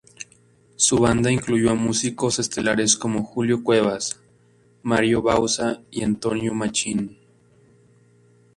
Su banda incluyó a músicos estelares como Julio Cueva, Mario Bauzá y Antonio Machín.